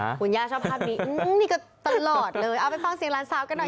หื้อส่วนย่าชอบภาพนี้นี่ก็ตลอดเลยเอาไปฟังเสียงลานท์ซวดกันหน่อยสิคะ